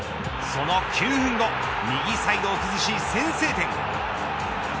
その９分後右サイドを崩し先制点。